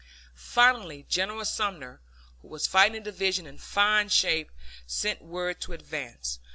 Finally General Sumner, who was fighting the division in fine shape, sent word to advance.